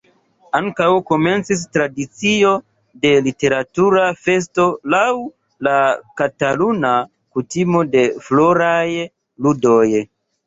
Ankaŭ komencis tradicio de Literatura Festo laŭ la kataluna kutimo de Floraj Ludoj.